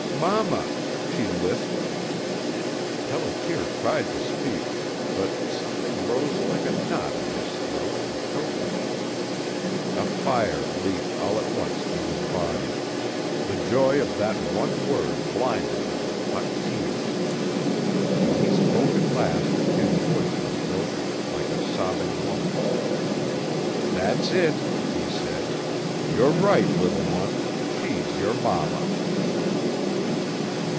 "Mama," she lisped. Pelliter tried to speak, but something rose like a knot in his throat and choked him. A fire leaped all at once through his body; the joy of that one word blinded him with hot tears. When he spoke at last his voice was broken, like a sobbing woman's. "That's it." he said. "You're right, little one. She's your mama!"